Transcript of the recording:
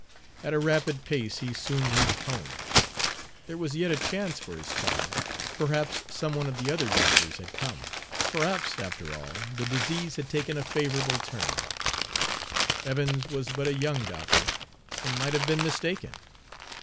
At a rapid pace he soon reached home. There was yet a chance for his child: perhaps some one of the other doctors had come; perhaps, after all, the disease had taken a favorable turn, Evans was but a young doctor, and might have been mistaken.